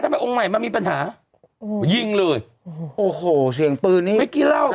ทำไมองค์ใหม่มันมีปัญหาโอ้โหยิงเลยโอ้โหเสียงปืนนี่เมื่อกี้เล่า